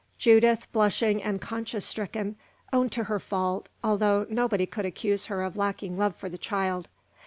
Judith, blushing and conscience stricken, owned to her fault, although nobody could accuse her of lacking love for the child.